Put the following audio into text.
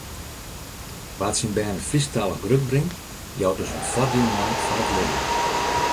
Wa’t syn bern Frysktalich grutbringt, jout dus in foardiel mei foar it libben.